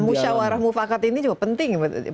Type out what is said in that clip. musyawarah mufakat ini juga penting